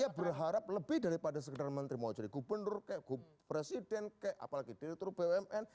ya berharap lebih daripada sekedar menteri mau jadi gubernur kayak presiden kayak apalagi direktur bumn